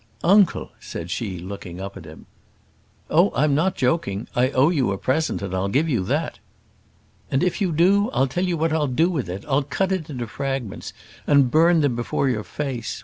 "Uncle!" said she, looking up at him. "Oh, I'm not joking; I owe you a present, and I'll give you that." "And if you do, I'll tell you what I'll do with it. I'll cut it into fragments, and burn them before your face.